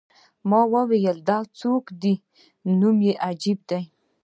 ما وویل: دا بیا څوک دی؟ نوم یې عجیب دی.